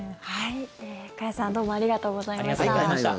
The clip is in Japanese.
加谷さんどうもありがとうございました。